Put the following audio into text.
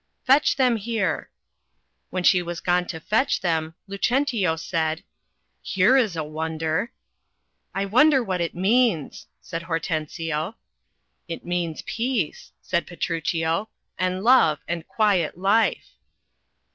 "Fetch them here." When she was gone to fetch them, Lucentio said — "Here is a wonder !" "I wonder what it means," said Hortensio. 'It means peace," said Petruchio, "and love, and quiet life."